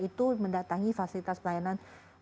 itu mendatangi fasilitas pelayanan